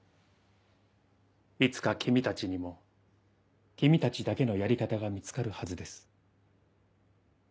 いつか君たちにも君たちだけのやり方が見つかるはずです。